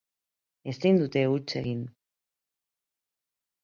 Ezin dute huts egin.